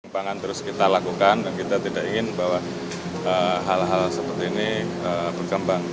pangan terus kita lakukan dan kita tidak ingin bahwa hal hal seperti ini berkembang